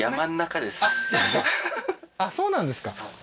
そうなんですか